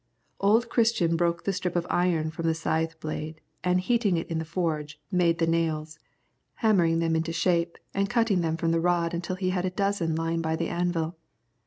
Old Christian broke the strip of iron from the scythe blade and heating it in his forge, made the nails, hammering them into shape, and cutting them from the rod until he had a dozen lying by the anvil.